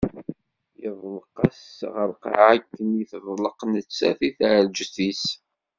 Yeḍleq-as ɣer lqaɛa akken i teḍleq nettat i tɛelǧet-is.